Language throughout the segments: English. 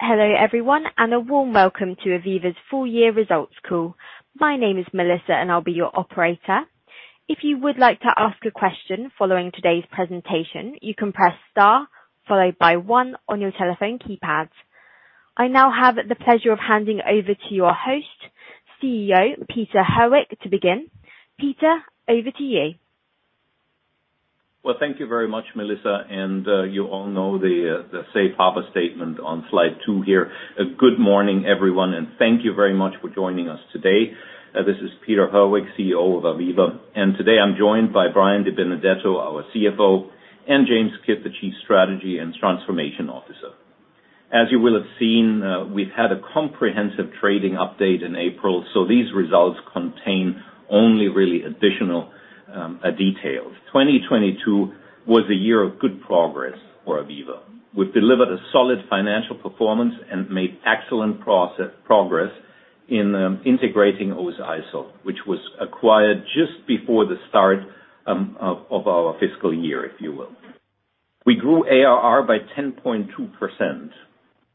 Hello, everyone, and a warm welcome to AVEVA's full year results call. My name is Melissa, and I'll be your operator. If you would like to ask a question following today's presentation, you can press star followed by one on your telephone keypads. I now have the pleasure of handing over to your host, CEO Peter Herweck to begin. Peter, over to you. Well, thank you very much, Melissa. You all know the safe harbor statement on slide two here. Good morning, everyone, and thank you very much for joining us today. This is Peter Herweck, CEO of AVEVA. Today I'm joined by Brian DiBenedetto, our CFO, and James Kidd, the Chief Strategy and Transformation Officer. As you will have seen, we've had a comprehensive trading update in April, so these results contain only really additional details. 2022 was a year of good progress for AVEVA. We've delivered a solid financial performance and made excellent progress in integrating OSIsoft, which was acquired just before the start of our fiscal year, if you will. We grew ARR by 10.2%,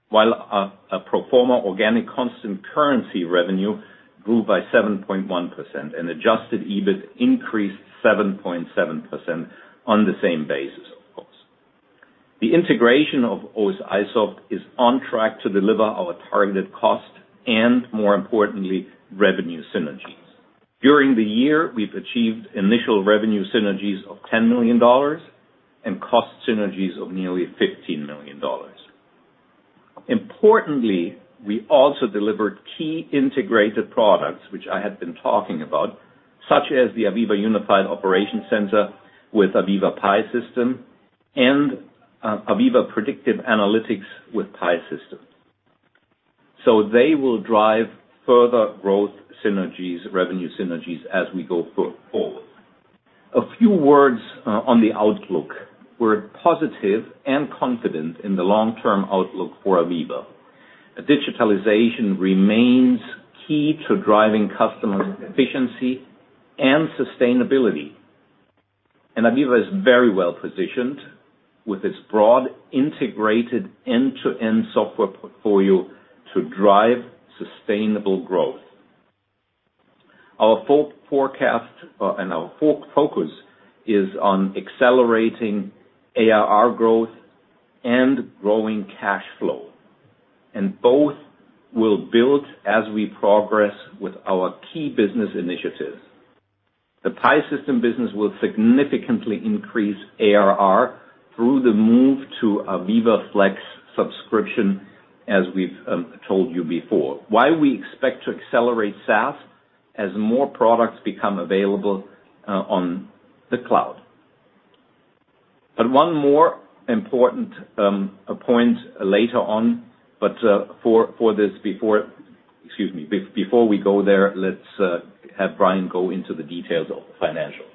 while pro forma organic constant currency revenue grew by 7.1%, and adjusted EBIT increased 7.7% on the same basis up. The integration of OSIsoft is on track to deliver our targeted cost and, more importantly, revenue synergies. During the year, we've achieved initial revenue synergies of $10 million and cost synergies of nearly $15 million. Importantly, we also delivered key integrated products, which I had been talking about, such as the AVEVA Unified Operations Center with AVEVA PI System and AVEVA Predictive Analytics with PI System. They will drive further growth synergies, revenue synergies as we go forward. A few words on the outlook. We're positive and confident in the long-term outlook for AVEVA. Digitalization remains key to driving customer efficiency and sustainability. AVEVA is very well positioned with its broad, integrated end-to-end software portfolio to drive sustainable growth. Our forecast and our focus is on accelerating ARR growth and growing cash flow. Both will build as we progress with our key business initiatives. The PI System business will significantly increase ARR through the move to AVEVA Flex subscription, as we've told you before. We expect to accelerate SaaS as more products become available on the cloud. One more important point later on. Before we go there, let's have Brian go into the details of financials.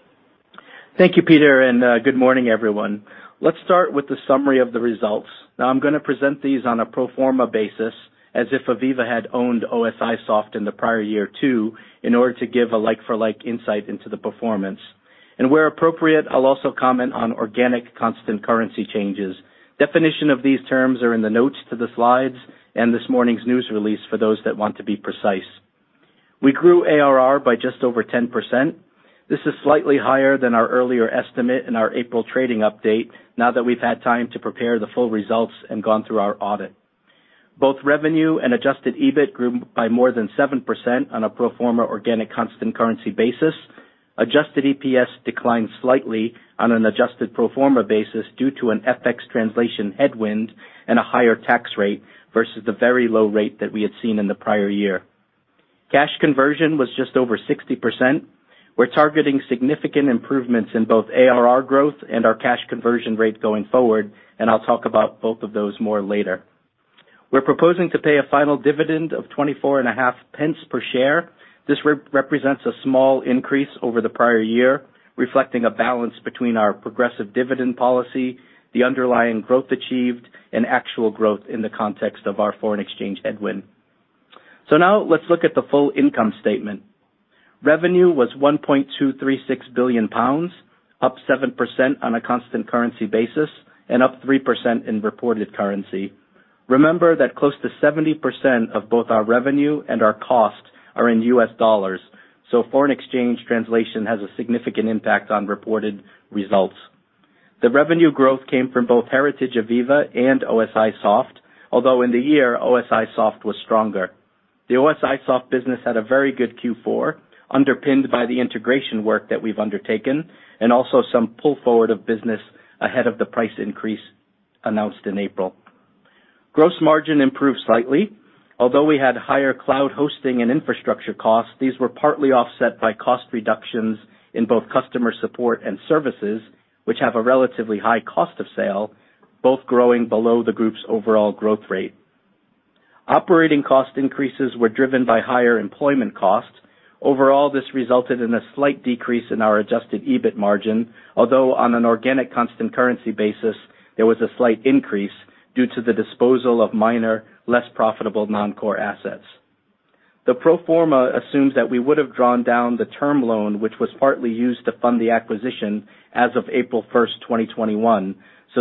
Thank you, Peter, and good morning, everyone. Let's start with the summary of the results. Now, I'm gonna present these on a pro forma basis as if AVEVA had owned OSIsoft in the prior year too, in order to give a like-for-like insight into the performance. Where appropriate, I'll also comment on organic constant currency changes. Definition of these terms are in the notes to the slides and this morning's news release for those that want to be precise. We grew ARR by just over 10%. This is slightly higher than our earlier estimate in our April trading update now that we've had time to prepare the full results and gone through our audit. Both revenue and adjusted EBIT grew by more than 7% on a pro forma organic constant currency basis. Adjusted EPS declined slightly on an adjusted pro forma basis due to an FX translation headwind and a higher tax rate versus the very low rate that we had seen in the prior year. Cash conversion was just over 60%. We're targeting significant improvements in both ARR growth and our cash conversion rate going forward, and I'll talk about both of those more later. We're proposing to pay a final dividend of 0.245 per share. This represents a small increase over the prior year, reflecting a balance between our progressive dividend policy, the underlying growth achieved, and actual growth in the context of our foreign exchange headwind. Now let's look at the full income statement. Revenue was 1.236 billion pounds, up 7% on a constant currency basis and up 3% in reported currency. Remember that close to 70% of both our revenue and our cost are in U.S dollars, so foreign exchange translation has a significant impact on reported results. The revenue growth came from both heritage AVEVA and OSIsoft, although in the year, OSIsoft was stronger. The OSIsoft business had a very good Q4, underpinned by the integration work that we've undertaken, and also some pull forward of business ahead of the price increase announced in April. Gross margin improved slightly. Although we had higher cloud hosting and infrastructure costs, these were partly offset by cost reductions in both customer support and services, which have a relatively high cost of sale, both growing below the group's overall growth rate. Operating cost increases were driven by higher employment costs. Overall, this resulted in a slight decrease in our adjusted EBIT margin, although on an organic constant currency basis, there was a slight increase due to the disposal of minor, less profitable non-core assets. The pro forma assumes that we would have drawn down the term loan, which was partly used to fund the acquisition as of April 1, 2021.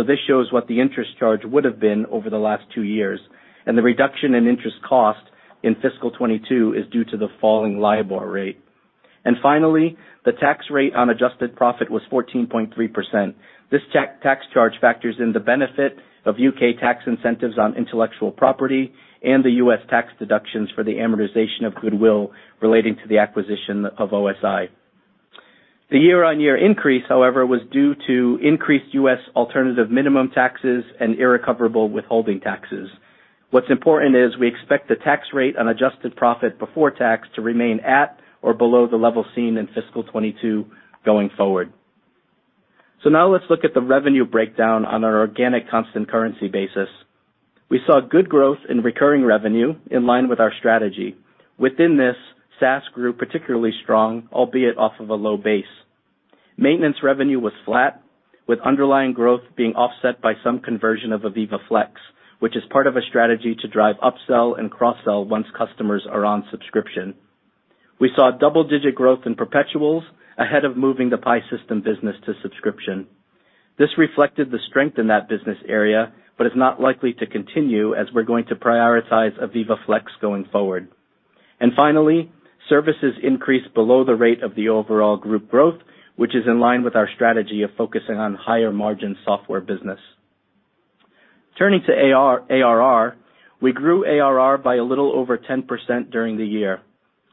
This shows what the interest charge would have been over the last two years, and the reduction in interest cost in fiscal 2022 is due to the falling LIBOR rate. Finally, the tax rate on adjusted profit was 14.3%. This tax charge factors in the benefit of U.K tax incentives on intellectual property and the U.S tax deductions for the amortization of goodwill relating to the acquisition of OSI. The year-on-year increase, however, was due to increased U.S alternative minimum taxes and irrecoverable withholding taxes. What's important is we expect the tax rate on adjusted profit before tax to remain at or below the level seen in fiscal 2022 going forward. Now let's look at the revenue breakdown on our organic constant currency basis. We saw good growth in recurring revenue in line with our strategy. Within this, SaaS grew particularly strong, albeit off of a low base. Maintenance revenue was flat, with underlying growth being offset by some conversion of AVEVA Flex, which is part of a strategy to drive upsell and cross-sell once customers are on subscription. We saw double-digit growth in perpetuals ahead of moving the PI System business to subscription. This reflected the strength in that business area, but is not likely to continue as we're going to prioritize AVEVA Flex going forward. Finally, services increased below the rate of the overall group growth, which is in line with our strategy of focusing on higher-margin software business. Turning to ARR, we grew ARR by a little over 10% during the year.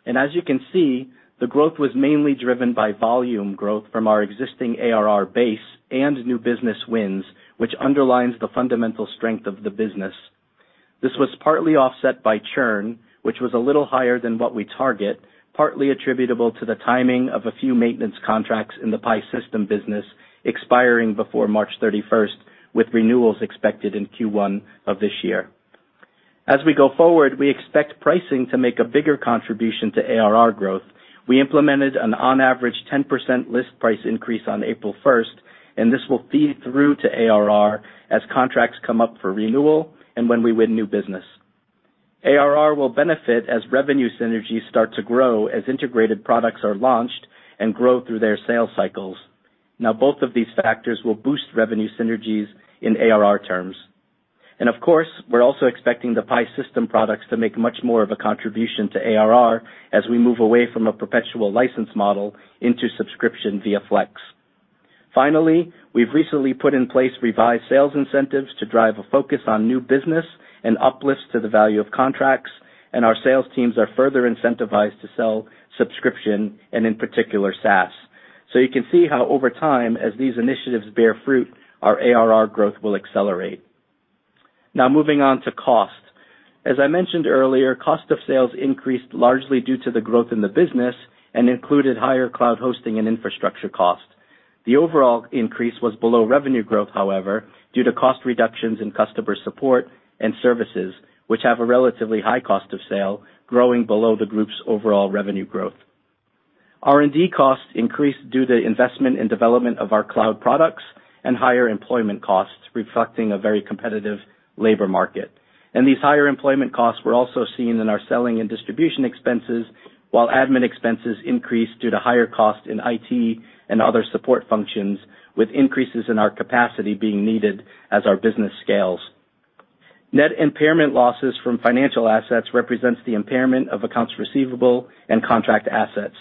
As you can see, the growth was mainly driven by volume growth from our existing ARR base and new business wins, which underlines the fundamental strength of the business. This was partly offset by churn, which was a little higher than what we target, partly attributable to the timing of a few maintenance contracts in the PI System business expiring before March 31, with renewals expected in Q1 of this year. As we go forward, we expect pricing to make a bigger contribution to ARR growth. We implemented an on average 10% list price increase on April 1, and this will feed through to ARR as contracts come up for renewal and when we win new business. ARR will benefit as revenue synergies start to grow as integrated products are launched and grow through their sales cycles. Now, both of these factors will boost revenue synergies in ARR terms. Of course, we're also expecting the PI System products to make much more of a contribution to ARR as we move away from a perpetual license model into subscription via Flex. Finally, we've recently put in place revised sales incentives to drive a focus on new business and uplifts to the value of contracts, and our sales teams are further incentivized to sell subscription and, in particular, SaaS. You can see how over time, as these initiatives bear fruit, our ARR growth will accelerate. Now moving on to cost. As I mentioned earlier, cost of sales increased largely due to the growth in the business and included higher cloud hosting and infrastructure costs. The overall increase was below revenue growth, however, due to cost reductions in customer support and services, which have a relatively high cost of sale growing below the group's overall revenue growth. R&D costs increased due to investment in development of our cloud products and higher employment costs, reflecting a very competitive labor market. These higher employment costs were also seen in our selling and distribution expenses, while admin expenses increased due to higher costs in IT and other support functions, with increases in our capacity being needed as our business scales. Net impairment losses from financial assets represents the impairment of accounts receivable and contract assets.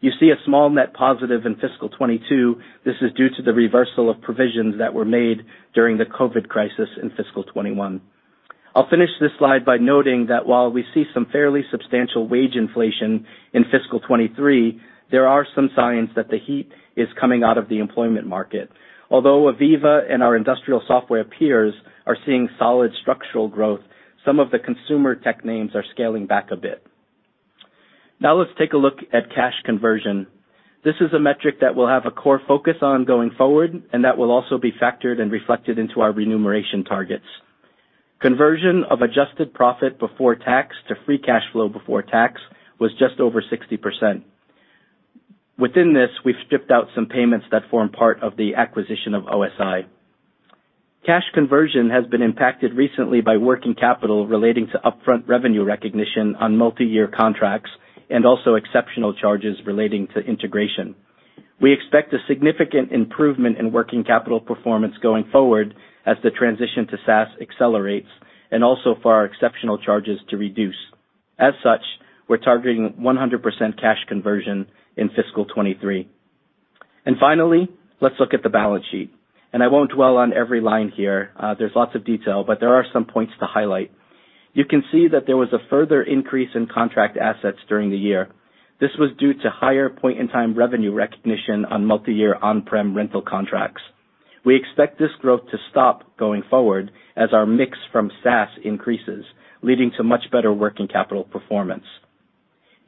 You see a small net positive in fiscal 2022. This is due to the reversal of provisions that were made during the COVID crisis in fiscal 2021. I'll finish this slide by noting that while we see some fairly substantial wage inflation in fiscal 2023, there are some signs that the heat is coming out of the employment market. Although AVEVA and our industrial software peers are seeing solid structural growth, some of the consumer tech names are scaling back a bit. Now let's take a look at cash conversion. This is a metric that we'll have a core focus on going forward, and that will also be factored and reflected into our remuneration targets. Conversion of adjusted profit before tax to free cash flow before tax was just over 60%. Within this, we've stripped out some payments that form part of the acquisition of OSI. Cash conversion has been impacted recently by working capital relating to upfront revenue recognition on multi-year contracts and also exceptional charges relating to integration. We expect a significant improvement in working capital performance going forward as the transition to SaaS accelerates and also for our exceptional charges to reduce. As such, we're targeting 100% cash conversion in fiscal 2023. Finally, let's look at the balance sheet. I won't dwell on every line here. There's lots of detail, but there are some points to highlight. You can see that there was a further increase in contract assets during the year. This was due to higher point-in-time revenue recognition on multi-year on-prem rental contracts. We expect this growth to stop going forward as our mix from SaaS increases, leading to much better working capital performance.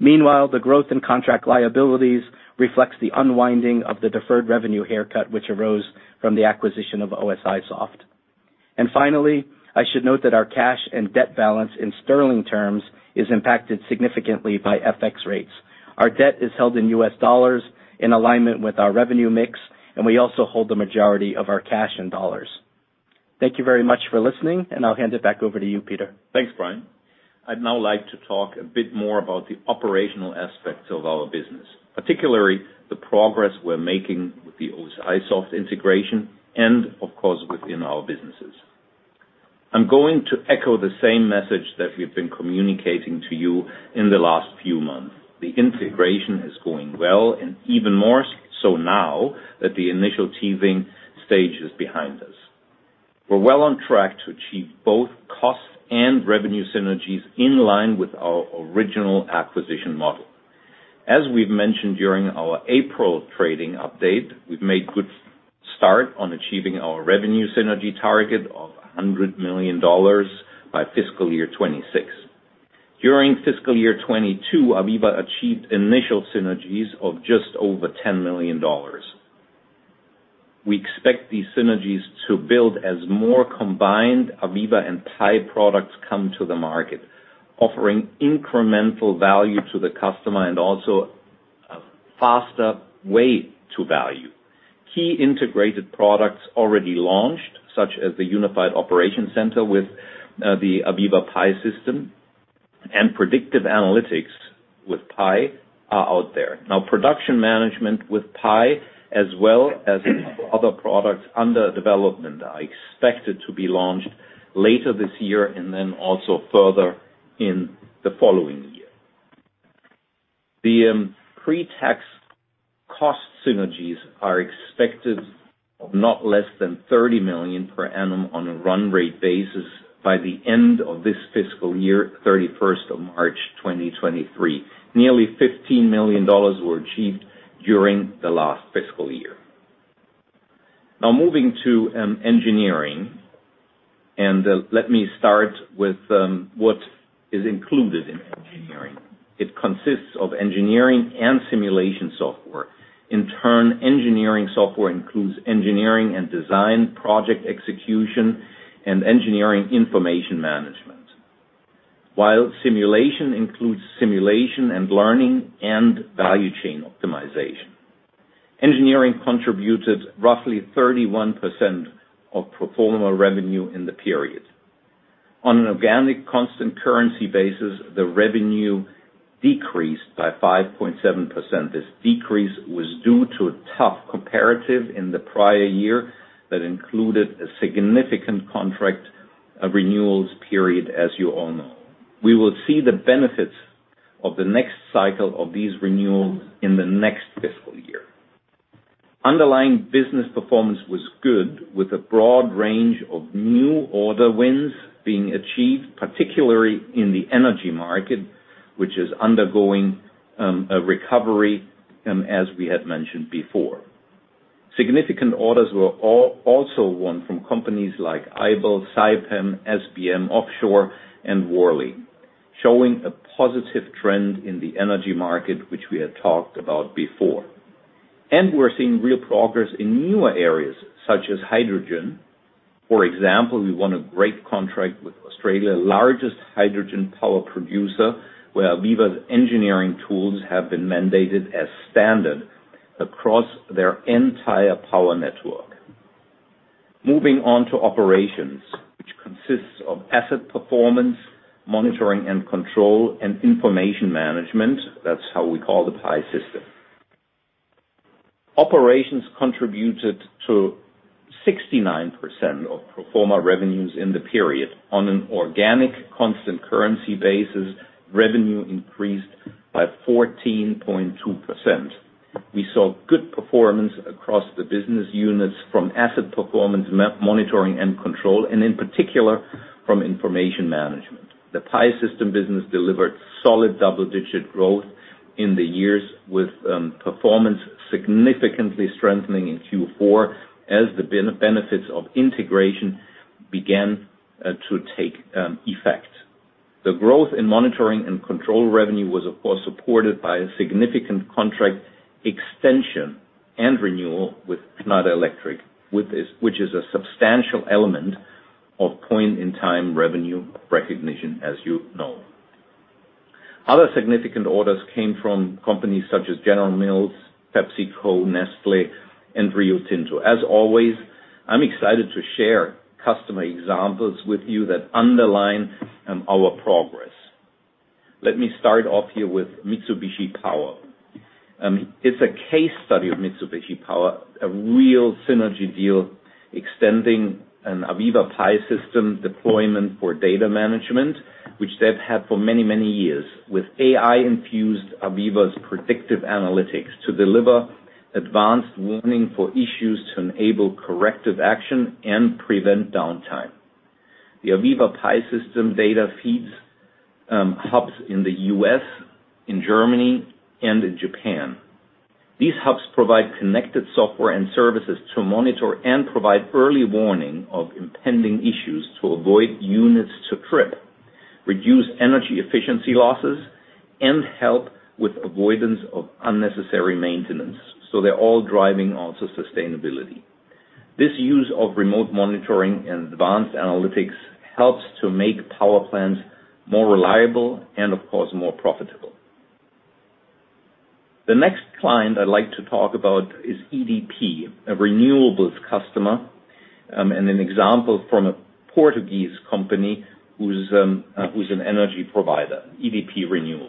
Meanwhile, the growth in contract liabilities reflects the unwinding of the deferred revenue haircut, which arose from the acquisition of OSIsoft. Finally, I should note that our cash and debt balance in sterling terms is impacted significantly by FX rates. Our debt is held in U.S dollars in alignment with our revenue mix, and we also hold the majority of our cash in dollars. Thank you very much for listening, and I'll hand it back over to you, Peter. Thanks, Brian. I'd now like to talk a bit more about the operational aspects of our business, particularly the progress we're making with the OSIsoft integration and of course, within our businesses. I'm going to echo the same message that we've been communicating to you in the last few months. The integration is going well and even more so now that the initial teething stage is behind us. We're well on track to achieve both cost and revenue synergies in line with our original acquisition model. As we've mentioned during our April trading update, we've made good start on achieving our revenue synergy target of $100 million by fiscal year 2026. During fiscal year 2022, AVEVA achieved initial synergies of just over $10 million. We expect these synergies to build as more combined AVEVA and PI products come to the market, offering incremental value to the customer and also a faster way to value. Key integrated products already launched, such as the AVEVA Unified Operations Center with the AVEVA PI System and AVEVA Predictive Analytics with PI are out there. Now, production management with PI as well as other products under development are expected to be launched later this year and then also further in the following year. The pre-tax cost synergies are expected of not less than 30 million per annum on a run rate basis by the end of this fiscal year, 31st of March 2023. Nearly $15 million were achieved during the last fiscal year. Now, moving to engineering, let me start with what is included in engineering. It consists of engineering and simulation software. In turn, engineering software includes engineering and design, project execution, and engineering information management. While simulation includes simulation and learning and value chain optimization. Engineering contributed roughly 31% of pro forma revenue in the period. On an organic constant currency basis, the revenue decreased by 5.7%. This decrease was due to a tough comparative in the prior year that included a significant contract renewals period, as you all know. We will see the benefits of the next cycle of these renewals in the next fiscal year. Underlying business performance was good, with a broad range of new order wins being achieved, particularly in the energy market, which is undergoing a recovery, as we had mentioned before. Significant orders were also won from companies like Aibel, Saipem, SBM Offshore, and Worley, showing a positive trend in the energy market, which we had talked about before. We're seeing real progress in newer areas such as hydrogen. For example, we won a great contract with Australia's largest hydrogen power producer, where AVEVA's engineering tools have been mandated as standard across their entire power network. Moving on to operations, which consists of asset performance, monitoring and control, and information management. That's how we call the PI System. Operations contributed 69% of pro forma revenues in the period. On an organic constant currency basis, revenue increased by 14.2%. We saw good performance across the business units from asset performance, monitoring and control, and in particular from information management. The PI System business delivered solid double-digit growth in the years with performance significantly strengthening in Q4 as the benefits of integration began to take effect. The growth in monitoring and control revenue was of course supported by a significant contract extension and renewal with Canada Electric, which is a substantial element of point-in-time revenue recognition, as you know. Other significant orders came from companies such as General Mills, PepsiCo, Nestlé, and Rio Tinto. As always, I'm excited to share customer examples with you that underline our progress. Let me start off here with Mitsubishi Power. It's a case study of Mitsubishi Power, a real synergy deal extending an AVEVA PI System deployment for data management, which they've had for many, many years with AI-infused AVEVA's Predictive Analytics to deliver advanced warning for issues to enable corrective action and prevent downtime. The AVEVA PI System data feeds hubs in the U.S, in Germany, and in Japan. These hubs provide connected software and services to monitor and provide early warning of impending issues to avoid units to trip, reduce energy efficiency losses, and help with avoidance of unnecessary maintenance. They're all driving also sustainability. This use of remote monitoring and advanced analytics helps to make power plants more reliable and of course, more profitable. The next client I'd like to talk about is EDP, a renewables customer, and an example from a Portuguese company who's an energy provider, EDP Renewables.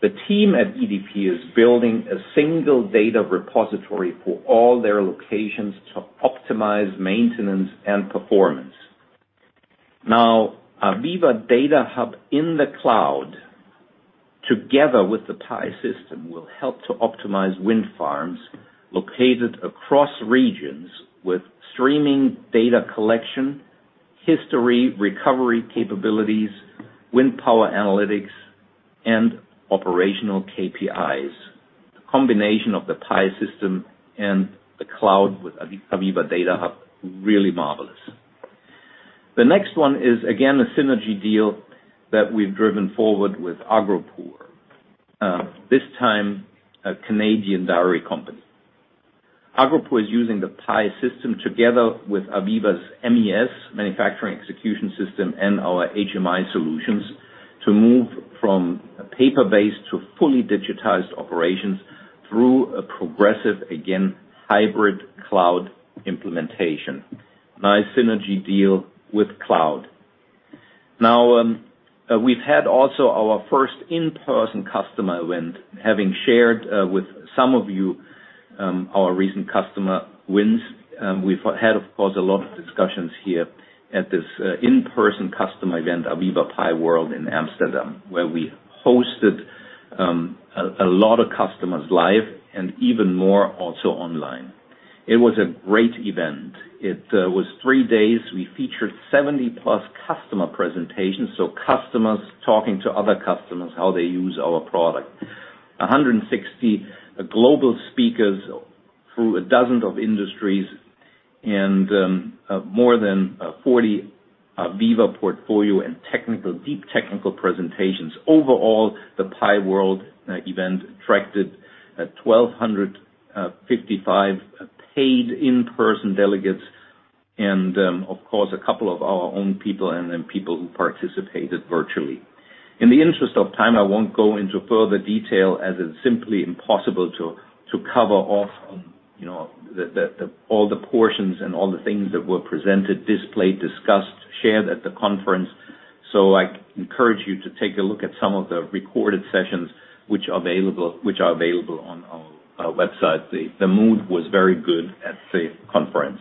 The team at EDP is building a single data repository for all their locations to optimize maintenance and performance. Now, AVEVA Data Hub in the cloud, together with the PI System, will help to optimize wind farms located across regions with streaming data collection, history, recovery capabilities, wind power analytics, and operational KPIs. The combination of the PI System and the cloud with AVEVA Data Hub really marvelous. The next one is, again, a synergy deal that we've driven forward with Agropur. This time a Canadian dairy company. Agropur is using the PI System together with AVEVA's MES, Manufacturing Execution System, and our HMI solutions to move from a paper-based to fully digitized operations through a progressive, again, hybrid cloud implementation. Nice synergy deal with cloud. Now, we've had also our first in-person customer event. Having shared with some of you our recent customer wins, we've had, of course, a lot of discussions here at this in-person customer event, AVEVA PI World in Amsterdam, where we hosted a lot of customers live and even more also online. It was a great event. It was three days. We featured 70-plus customer presentations, so customers talking to other customers how they use our product. 160 global speakers through a dozen industries and more than 40 AVEVA portfolio and deep technical presentations. Overall, the PI World event attracted 1,255 paid in-person delegates and, of course, a couple of our own people and then people who participated virtually. In the interest of time, I won't go into further detail as it's simply impossible to cover off on, you know, all the portions and all the things that were presented, displayed, discussed, shared at the conference. I encourage you to take a look at some of the recorded sessions which are available on our website. The mood was very good at the conference.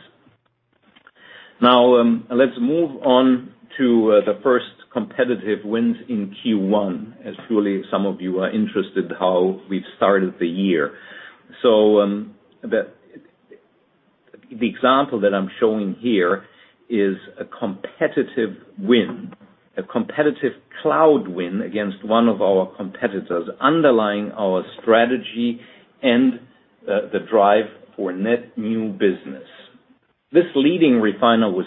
Now, let's move on to the first competitive wins in Q1, as surely some of you are interested how we've started the year. The example that I'm showing here is a competitive win, a competitive cloud win against one of our competitors, underlying our strategy and the drive for net new business. This leading refiner has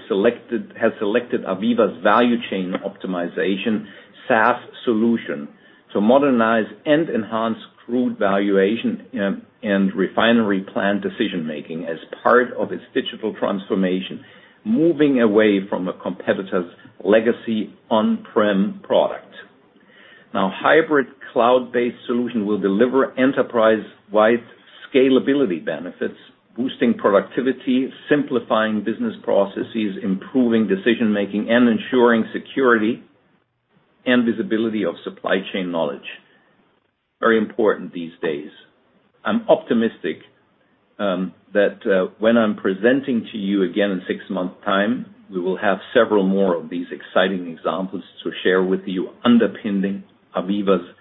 selected AVEVA's value chain optimization SaaS solution to modernize and enhance crude valuation and refinery plant decision-making as part of its digital transformation, moving away from a competitor's legacy on-prem product. Our hybrid cloud-based solution will deliver enterprise-wide scalability benefits, boosting productivity, simplifying business processes, improving decision-making, and ensuring security and visibility of supply chain knowledge. Very important these days. I'm optimistic that when I'm presenting to you again in six-month time, we will have several more of these exciting examples to share with you underpinning AVEVA's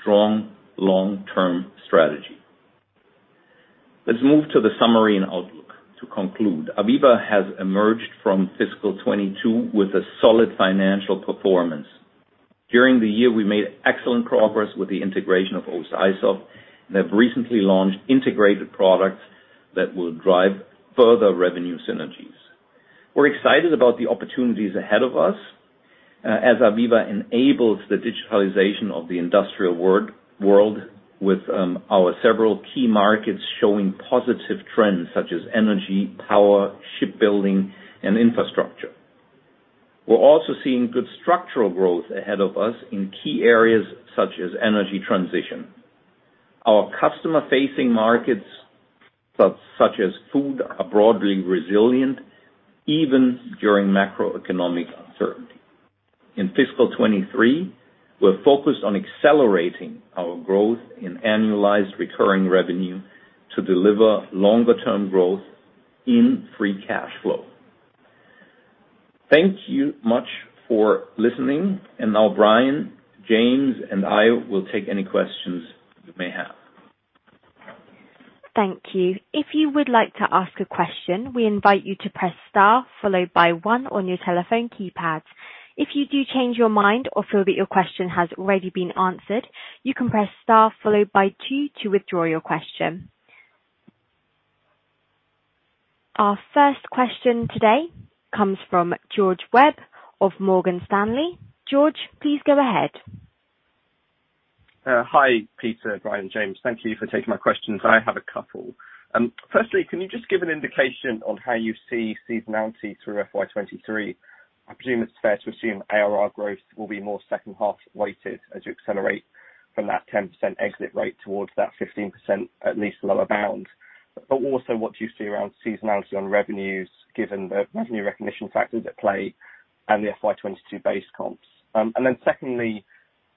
strong long-term strategy. Let's move to the summary and outlook to conclude. AVEVA has emerged from fiscal 2022 with a solid financial performance. During the year, we made excellent progress with the integration of OSIsoft and have recently launched integrated products that will drive further revenue synergies. We're excited about the opportunities ahead of us, as AVEVA enables the digitalization of the industrial world with our several key markets showing positive trends such as energy, power, shipbuilding, and infrastructure. We're also seeing good structural growth ahead of us in key areas such as energy transition. Our customer-facing markets such as food are broadly resilient, even during macroeconomic uncertainty. In fiscal 2023, we're focused on accelerating our growth in annualized recurring revenue to deliver longer-term growth in free cash flow. Thank you much for listening. Now Brian, James and I will take any questions you may have. Thank you. If you would like to ask a question, we invite you to press star followed by one on your telephone keypads. If you do change your mind or feel that your question has already been answered, you can press star followed by two to withdraw your question. Our first question today comes from George Webb of Morgan Stanley. George, please go ahead. Hi, Peter, Brian, James. Thank you for taking my questions. I have a couple. Firstly, can you just give an indication on how you see seasonality through FY 2023? I presume it's fair to assume ARR growth will be more second half-weighted as you accelerate from that 10% exit rate towards that 15%, at least lower bound. What do you see around seasonality on revenues, given the revenue recognition factors at play and the FY 2022 base comps? And then secondly,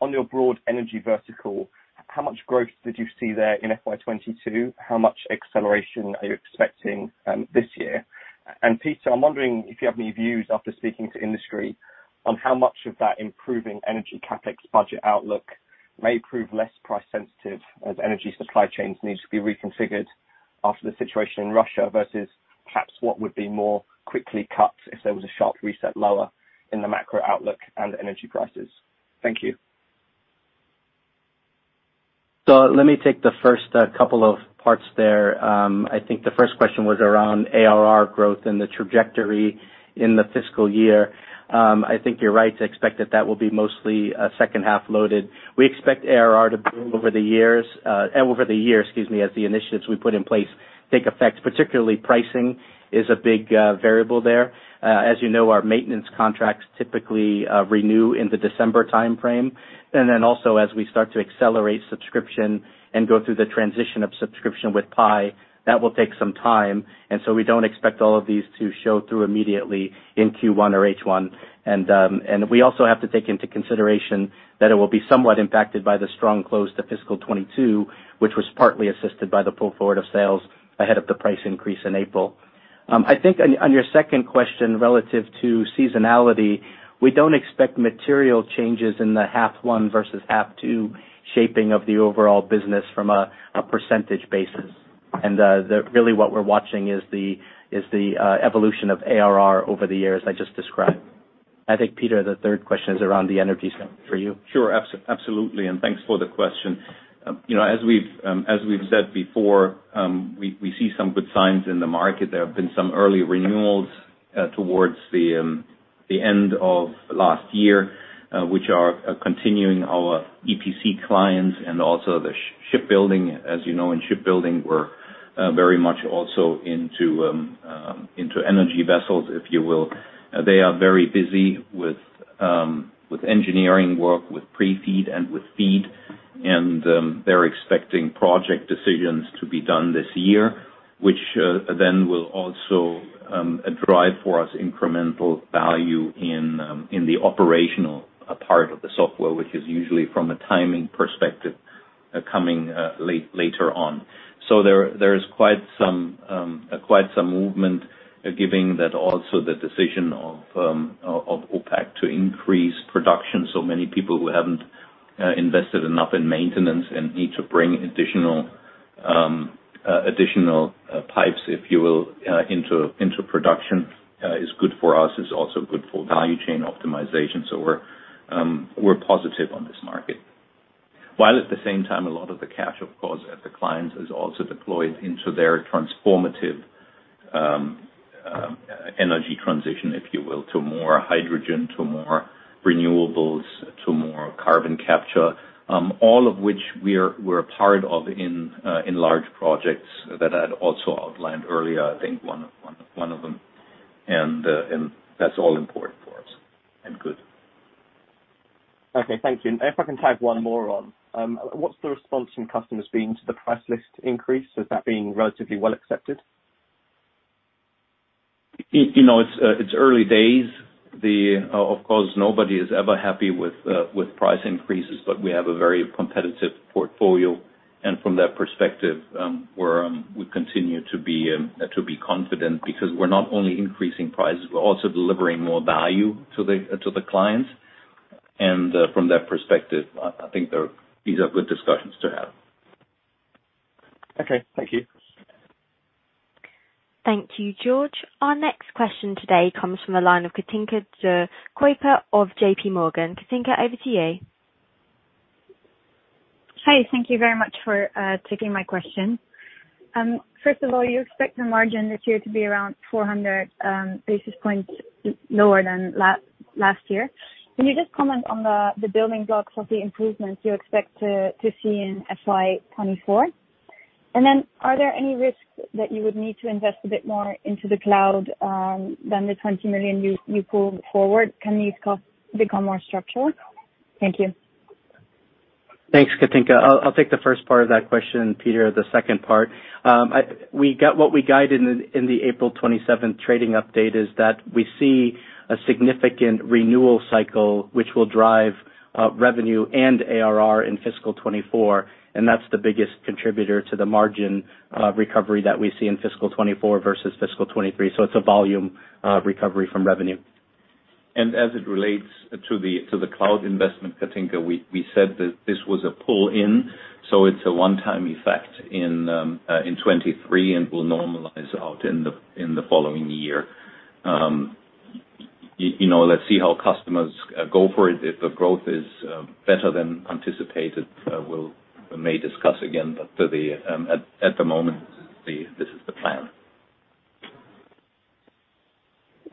on your broad energy vertical, how much growth did you see there in FY 2022? How much acceleration are you expecting this year? Peter, I'm wondering if you have any views after speaking to industry on how much of that improving energy CapEx budget outlook may prove less price sensitive as energy supply chains need to be reconfigured after the situation in Russia, versus perhaps what would be more quickly cut if there was a sharp reset lower in the macro outlook and energy prices. Thank you. Let me take the first couple of parts there. I think the first question was around ARR growth and the trajectory in the fiscal year. I think you're right to expect that that will be mostly second half-loaded. We expect ARR to grow over the years, excuse me, as the initiatives we put in place take effect. Particularly pricing is a big variable there. As you know, our maintenance contracts typically renew in the December timeframe. Then also, as we start to accelerate subscription and go through the transition of subscription with Pi, that will take some time, and so we don't expect all of these to show through immediately in Q1 or H1. We also have to take into consideration that it will be somewhat impacted by the strong close to fiscal 2022, which was partly assisted by the pull forward of sales ahead of the price increase in April. I think on your second question, relative to seasonality, we don't expect material changes in the half one versus half two shaping of the overall business from a percentage basis. Really what we're watching is the evolution of ARR over the years, as I just described. I think, Peter, the third question is around the energy side for you. Sure, absolutely. Thanks for the question. You know, as we've said before, we see some good signs in the market. There have been some early renewals towards the end of last year, which are continuing our EPC clients and also the shipbuilding. As you know, in shipbuilding, we're very much also into energy vessels, if you will. They are very busy with engineering work, with pre-FEED and with FEED. They're expecting project decisions to be done this year, which then will also drive for us incremental value in the operational part of the software, which is usually from a timing perspective coming later on. There is quite some movement given that also the decision of OPEC to increase production. Many people who haven't invested enough in maintenance and need to bring additional pipes, if you will, into production is good for us. It's also good for value chain optimization. We're positive on this market. While at the same time, a lot of the cash, of course, at the clients is also deployed into their transformative energy transition, if you will, to more hydrogen, to more renewables, to more carbon capture, all of which we're a part of in large projects that I'd also outlined earlier, I think one of them. That's all important for us and good. Okay, thank you. If I can tag one more on. What's the response from customers been to the price list increase? Has that been relatively well accepted? You know, it's early days. Of course, nobody is ever happy with price increases, but we have a very competitive portfolio. From that perspective, we continue to be confident because we're not only increasing prices, we're also delivering more value to the clients. From that perspective, I think these are good discussions to have. Okay, thank you. Thank you, George. Our next question today comes from the line of Kathinka De Kuyper of JPMorgan. Kathinka over to you. Hi, thank you very much for taking my question. First of all, you expect the margin this year to be around 400 basis points lower than last year. Can you just comment on the building blocks of the improvements you expect to see in FY 2024? Are there any risks that you would need to invest a bit more into the cloud than the 20 million you pulled forward? Can these costs become more structural? Thank you. Thanks, Kathinka. I'll take the first part of that question, Peter, the second part. What we guided in the April 27 trading update is that we see a significant renewal cycle which will drive revenue and ARR in fiscal 2024, and that's the biggest contributor to the margin recovery that we see in fiscal 2024 versus fiscal 2023. It's a volume recovery from revenue. As it relates to the cloud investment, Kathinka, we said that this was a pull-in, so it's a one-time effect in 2023 and will normalize out in the following year. You know, let's see how customers go for it. If the growth is better than anticipated, we may discuss again. At the moment, this is the plan.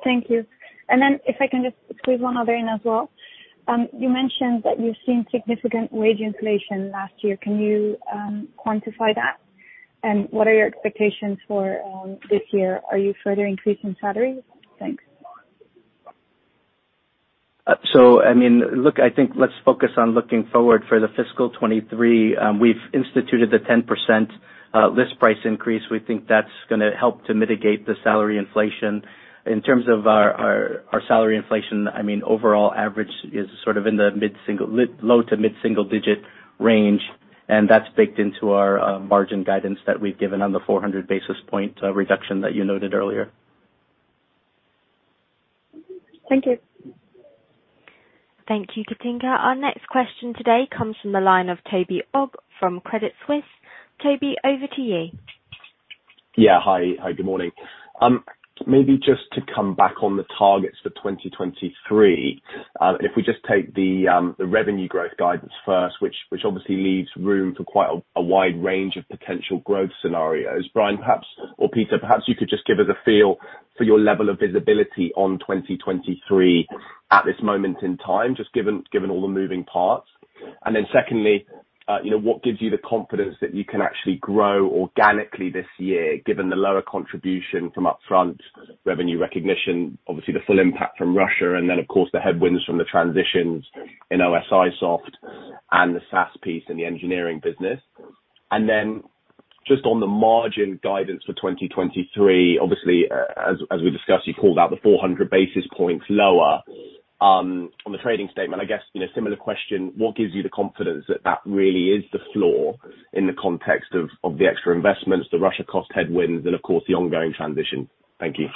Thank you. If I can just squeeze one other in as well. You mentioned that you've seen significant wage inflation last year. Can you quantify that? What are your expectations for this year? Are you further increasing salaries? Thanks. I mean, look, I think let's focus on looking forward for the fiscal 2023. We've instituted the 10% list price increase. We think that's gonna help to mitigate the salary inflation. In terms of our salary inflation, I mean, overall average is sort of in the low- to mid-single-digit range, and that's baked into our margin guidance that we've given on the 400 basis points reduction that you noted earlier. Thank you. Thank you, Kathinka. Our next question today comes from the line of Toby Ogg from Credit Suisse. Toby over to you. Hi, good morning. Maybe just to come back on the targets for 2023, if we just take the revenue growth guidance first, which obviously leaves room for quite a wide range of potential growth scenarios. Brian, perhaps or Peter, perhaps you could just give us a feel for your level of visibility on 2023 at this moment in time, just given all the moving parts. Secondly, you know, what gives you the confidence that you can actually grow organically this year, given the lower contribution from upfront revenue recognition, obviously the full impact from Russia, and then of course the headwinds from the transitions in OSIsoft and the SaaS piece in the engineering business? Then just on the margin guidance for 2023, obviously, as we discussed, you called out the 400 basis points lower, on the trading statement. I guess, you know, similar question, what gives you the confidence that that really is the floor in the context of the extra investments, the Russia cost headwinds, and of course the ongoing transition? Thank you.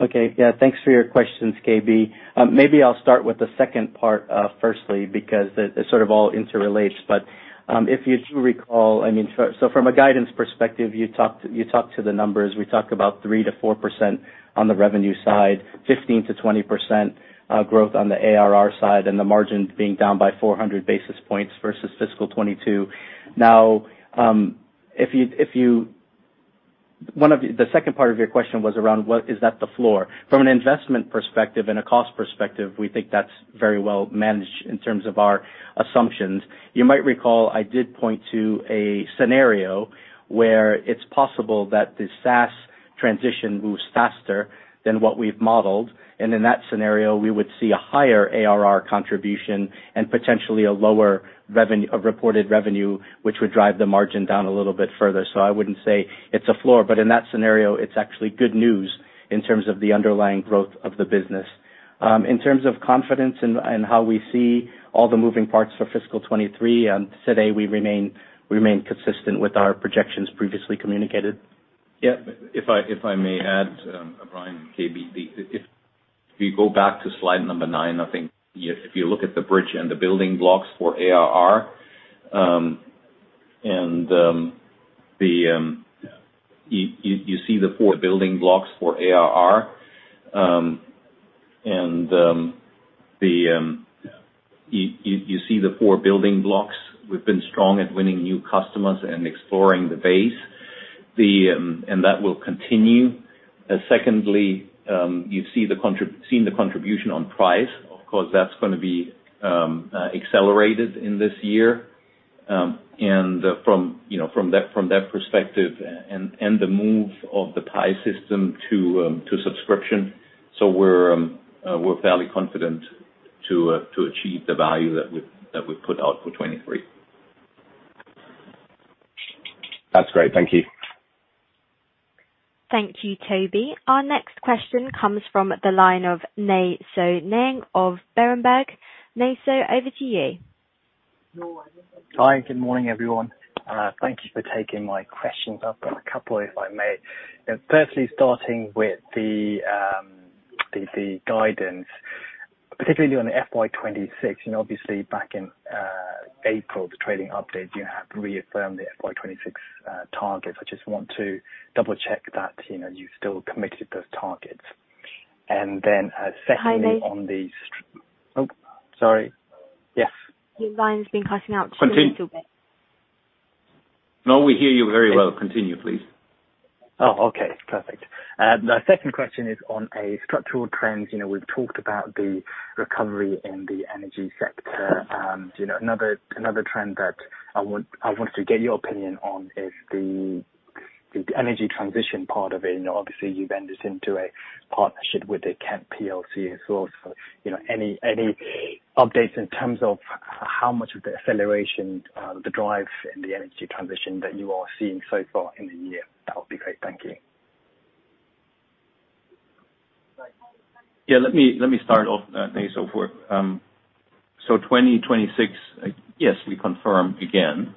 Okay. Yeah, thanks for your questions, Toby. Maybe I'll start with the second part, firstly because it sort of all interrelates. If you do recall, I mean, from a guidance perspective, you talked to the numbers, we talked about 3%-4% on the revenue side, 15%-20% growth on the ARR side, and the margin being down by 400 basis points versus fiscal 2022. Now, if you. The second part of your question was around what is that the floor. From an investment perspective and a cost perspective, we think that's very well managed in terms of our assumptions. You might recall, I did point to a scenario where it's possible that the SaaS transition moves faster than what we've modeled, and in that scenario, we would see a higher ARR contribution and potentially a lower reported revenue, which would drive the margin down a little bit further. I wouldn't say it's a floor, but in that scenario, it's actually good news in terms of the underlying growth of the business. In terms of confidence in how we see all the moving parts for fiscal 2023, today we remain consistent with our projections previously communicated. Yeah. If I may add, Brian DiBenedetto and Toby Ogg, if we go back to slide nine, I think if you look at the bridge and the building blocks for ARR, you see the four building blocks. We've been strong at winning new customers and expanding the base. That will continue. Secondly, you see the contribution on price. Of course, that's gonna be accelerated in this year, and from you know from that perspective and the move of the PI System to subscription. So we're fairly confident to achieve the value that we put out for 2023. That's great. Thank you. Thank you, Toby. Our next question comes from the line of Nay Soe Naing of Berenberg. Nay Soe over to you. Hi. Good morning, everyone. Thank you for taking my questions. I've got a couple, if I may. Firstly, starting with the guidance, particularly on the FY 2026, and obviously back in April, the trading update, you have reaffirmed the FY 2026 targets. I just want to double-check that, you know, you've still committed to those targets. Secondly, Hi, Nay. Oh, sorry. Yes. Your line's been cutting out just a little bit. Continue. No, we hear you very well. Continue, please. Oh, okay. Perfect. My second question is on a structural trends. You know, we've talked about the recovery in the energy sector. You know, another trend that I wanted to get your opinion on is the energy transition part of it. You know, obviously you've entered into a partnership with the Kelp PLC. So, you know, any updates in terms of how much of the acceleration, the drive in the energy transition that you are seeing so far in the year? That would be great. Thank you. Yeah, let me start off, Nay Soe Naing. 2026, yes, we confirm again.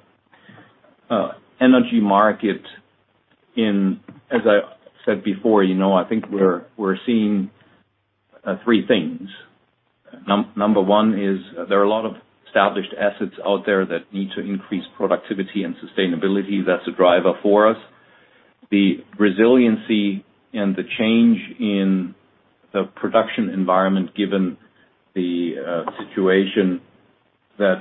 Energy market. As I said before, you know, I think we're seeing three things. Number one is there are a lot of established assets out there that need to increase productivity and sustainability. That's a driver for us. The resiliency and the change in the production environment given the situation that,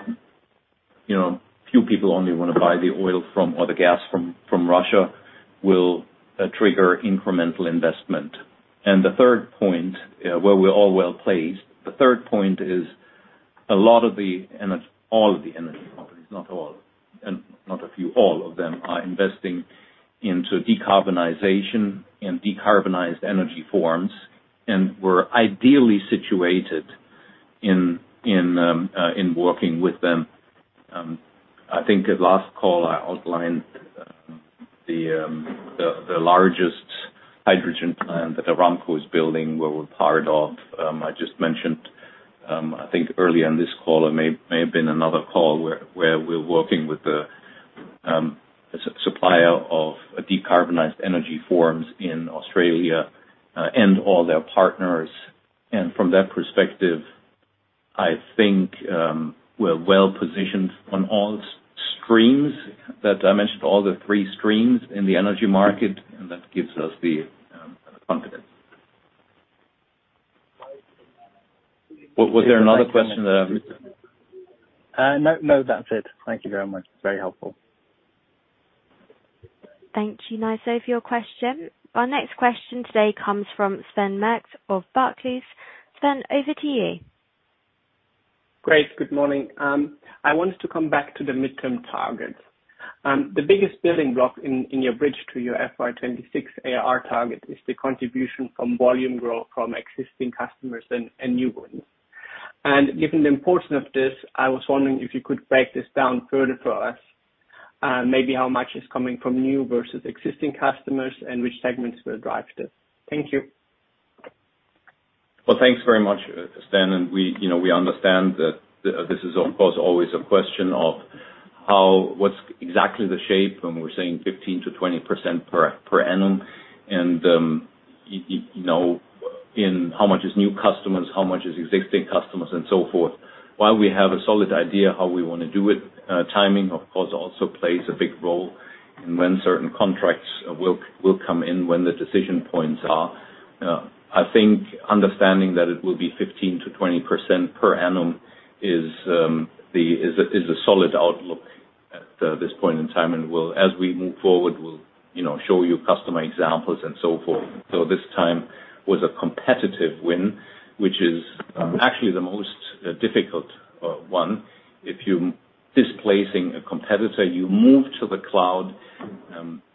you know, few people only wanna buy the oil from or the gas from Russia will trigger incremental investment. The third point, where we're well placed, the third point is a lot of the energy companies, not all, and not a few, all of them are investing into decarbonization and decarbonized energy forms. We're ideally situated in working with them. I think at last call I outlined the largest hydrogen plant that Saudi Aramco is building, where we're part of. I just mentioned, I think early on this call or may have been another call where we're working with the supplier of decarbonized energy forms in Australia, and all their partners. From that perspective, I think we're well-positioned on all streams that I mentioned, all the three streams in the energy market, and that gives us the confidence. Was there another question that I've missed? No. That's it. Thank you very much. Very helpful. Thank you, Nay Soe, for your question. Our next question today comes from Sven Merkt of Barclays. Sven over to you. Great. Good morning. I wanted to come back to the midterm targets. The biggest building block in your bridge to your FY 2026 AR target is the contribution from volume growth from existing customers and new ones. Given the importance of this, I was wondering if you could break this down further for us, maybe how much is coming from new versus existing customers and which segments will drive this. Thank you. Well, thanks very much, Sven. We, you know, we understand that this is of course always a question of how what's exactly the shape when we're saying 15%-20% per annum. You know, and how much is new customers, how much is existing customers and so forth. While we have a solid idea how we wanna do it, timing of course also plays a big role in when certain contracts will come in, when the decision points are. I think understanding that it will be 15%-20% per annum is a solid outlook at this point in time. As we move forward, we'll, you know, show you customer examples and so forth. This time was a competitive win, which is actually the most difficult one. If you're displacing a competitor, you move to the cloud,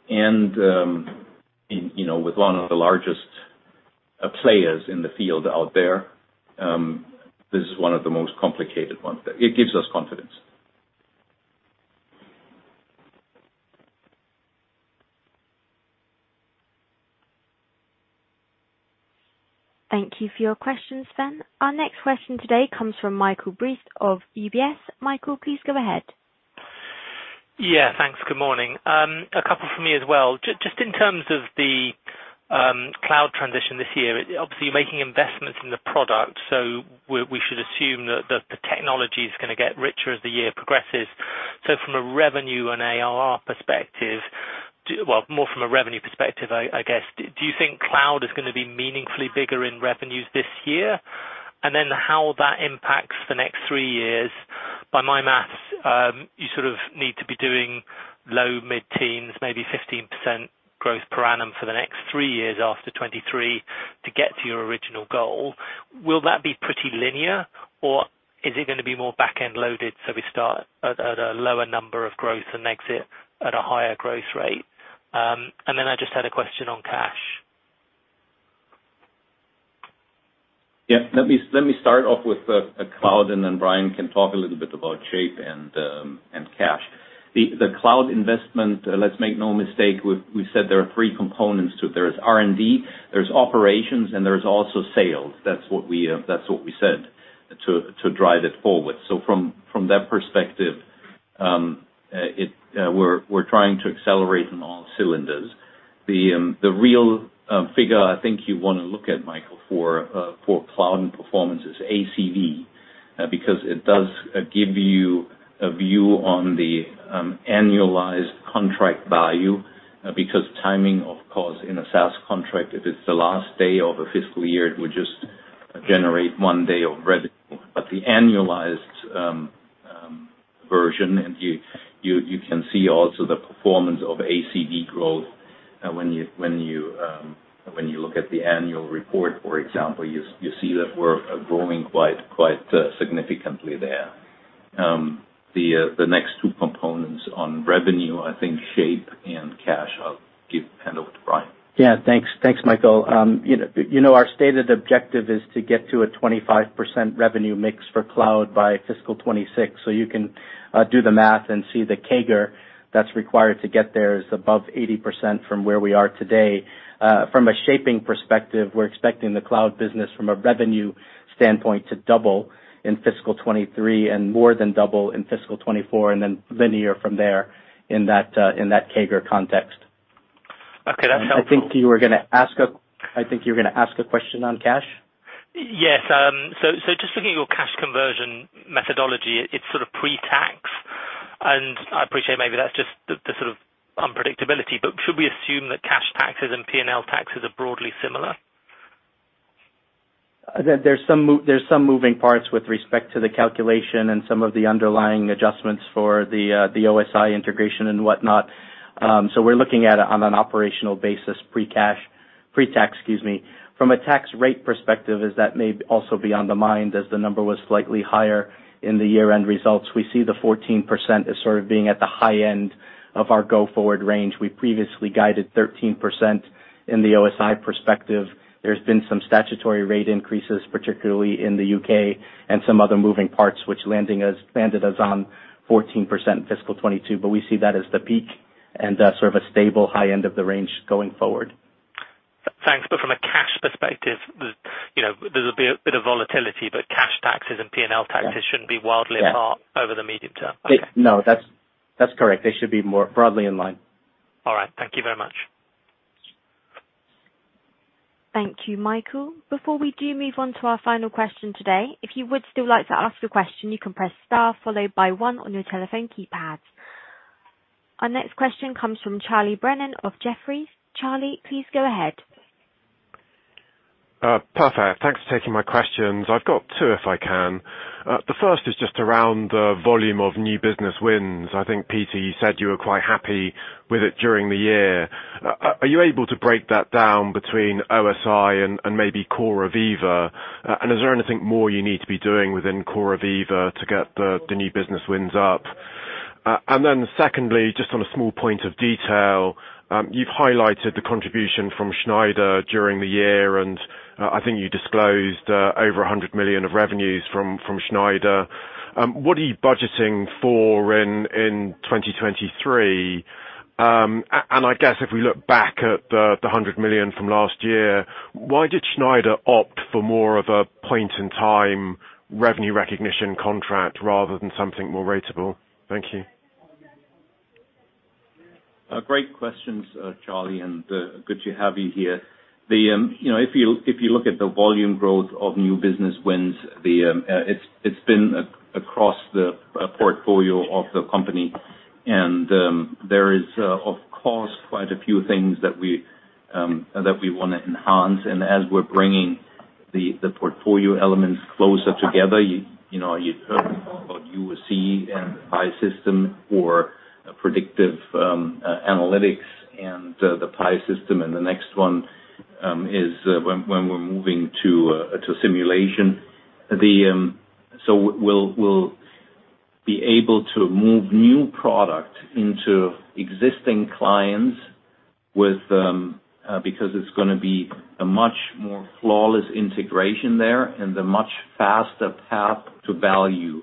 you know, with one of the largest players in the field out there, this is one of the most complicated ones. It gives us confidence. Thank you for your question, Sven. Our next question today comes from Michael Briest of UBS. Michael please go ahead. Yeah. Thanks. Good morning. A couple from me as well. Just in terms of the cloud transition this year, obviously, you're making investments in the product, so we should assume that the technology is gonna get richer as the year progresses. So from a revenue and ARR perspective, well, more from a revenue perspective, I guess. Do you think cloud is gonna be meaningfully bigger in revenues this year? And then how that impacts the next three years. By my maths, you sort of need to be doing low mid-teens, maybe 15% growth per annum for the next three years after 2023 to get to your original goal. Will that be pretty linear or is it gonna be more back-end loaded, so we start at a lower number of growth and exit at a higher growth rate? I just had a question on cash. Yeah. Let me start off with cloud, and then Brian can talk a little bit about shape and cash. The cloud investment, let's make no mistake, we said there are three components to it. There is R&D, there's operations, and there's also sales. That's what we said to drive it forward. From that perspective, we're trying to accelerate on all cylinders. The real figure I think you wanna look at, Michael, for cloud and performance is ACV, because it does give you a view on the annualized contract value, because timing, of course, in a SaaS contract, if it's the last day of a fiscal year, it would just generate one day of revenue. The annualized version, and you can see also the performance of ACV growth, when you look at the annual report, for example, you see that we're growing quite significantly there. The next two components on revenue, I think SaaS and cash, hand over to Brian. Yeah. Thanks. Thanks, Michael. You know our stated objective is to get to a 25% revenue mix for cloud by fiscal 2026. You can do the math and see the CAGR that's required to get there is above 80% from where we are today. From a shaping perspective, we're expecting the cloud business from a revenue standpoint to double in fiscal 2023 and more than double in fiscal 2024, and then linear from there in that CAGR context. Okay. That's helpful. I think you were gonna ask a question on cash. Yes. Just looking at your cash conversion methodology, it's sort of pre-tax, and I appreciate maybe that's just the sort of unpredictability, but should we assume that cash taxes and P&L taxes are broadly similar? There's some moving parts with respect to the calculation and some of the underlying adjustments for the OSI integration and whatnot. We're looking at it on an operational basis pre-cash. Pre-tax, excuse me. From a tax rate perspective, as that may also be on the mind as the number was slightly higher in the year-end results. We see the 14% as sort of being at the high end of our go forward range. We previously guided 13% in the OSI perspective. There's been some statutory rate increases, particularly in the U.K and some other moving parts landed us on 14% fiscal 2022, but we see that as the peak and sort of a stable high end of the range going forward. Thanks. From a cash perspective, you know, there's a bit of volatility, but cash taxes and PNL taxes. Yeah. shouldn't be wildly apart. Yeah. over the medium term. Okay. No, that's correct. They should be more broadly in line. All right. Thank you very much. Thank you, Michael. Before we do move on to our final question today, if you would still like to ask a question you can press star followed by one on your telephone keypads. Our next question comes from Charles Brennan of Jefferies. Charlie please go ahead. Perfect. Thanks for taking my questions. I've got two, if I can. The first is just around the volume of new business wins. I think, Peter, you said you were quite happy with it during the year. Are you able to break that down between OSI and maybe core AVEVA? Is there anything more you need to be doing within core AVEVA to get the new business wins up? Then secondly, just on a small point of detail, you've highlighted the contribution from Schneider during the year, and I think you disclosed over 100 million of revenues from Schneider. What are you budgeting for in 2023? I guess if we look back at the 100 million from last year, why did Schneider Electric opt for more of a point in time revenue recognition contract rather than something more ratable? Thank you. Great questions, Charlie, and good to have you here. You know, if you look at the volume growth of new business wins, it's been across the portfolio of the company. There is, of course, quite a few things that we wanna enhance. As we're bringing the portfolio elements closer together, you know, you've heard me talk about UOC and PI System for predictive analytics and the PI System, and the next one is when we're moving to simulation. We'll be able to move new product into existing clients because it's gonna be a much more flawless integration there and a much faster path to value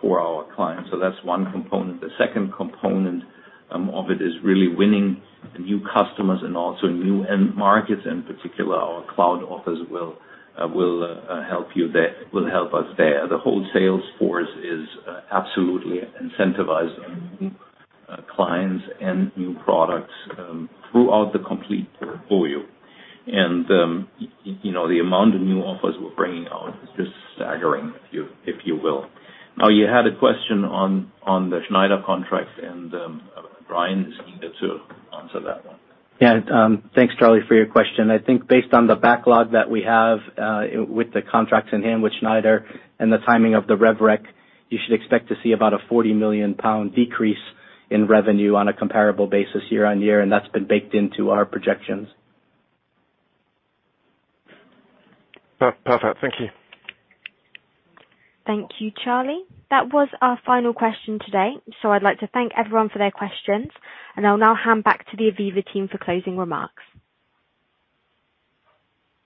for our clients. That's one component. The second component of it is really winning new customers and also new end markets. In particular, our cloud offers will help us there. The whole sales force is absolutely incentivized clients and new products throughout the complete portfolio. You know, the amount of new offers we're bringing out is just staggering, if you will. Now, you had a question on the Schneider contract, and Brian is needed to answer that one. Thanks, Charlie, for your question. I think based on the backlog that we have, with the contracts in hand with Schneider and the timing of the rev rec, you should expect to see about a 40 million pound decrease in revenue on a comparable basis year-on-year, and that's been baked into our projections. Perfect. Thank you. Thank you, Charlie. That was our final question today. I'd like to thank everyone for their questions, and I'll now hand back to the AVEVA team for closing remarks.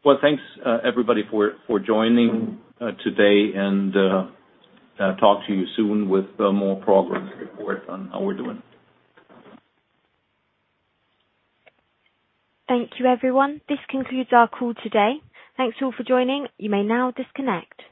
Well, thanks, everybody for joining today, and talk to you soon with more progress reports on how we're doing. Thank you, everyone. This concludes our call today. Thanks, all, for joining. You may now disconnect.